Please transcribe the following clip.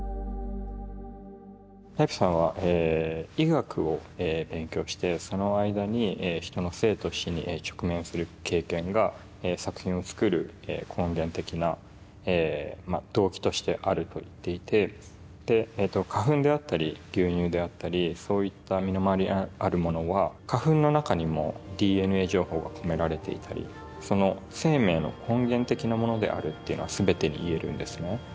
ライプさんは医学を勉強してその間に人の生と死に直面する経験が作品を創る根源的な動機としてあると言っていて花粉であったり牛乳であったりそういった身の回りにあるものは花粉の中にもＤＮＡ情報が込められていたりその生命の根源的なものであるっていうのは全てに言えるんですね。